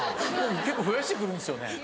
結構増やして来るんですよね。